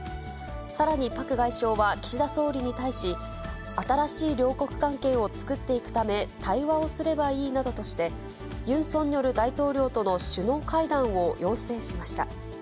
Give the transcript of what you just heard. さらにパク外相は岸田総理に対し、新しい両国関係を作っていくため、対話をすればいいなどとして、ユン・ソンニョル大統領との首脳会談を要請しました。